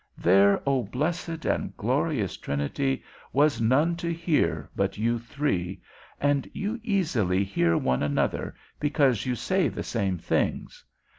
There, O blessed and glorious Trinity, was none to hear but you three, and you easily hear one another, because you say the same things.